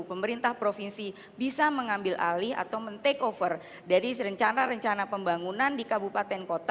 pemerintah provinsi bisa mengambil alih atau men take over dari rencana rencana pembangunan di kabupaten kota